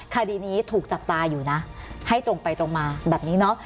คดีนี้ถูกจับตาอยู่นะให้ตรงไปตรงมาแบบนี้เนาะ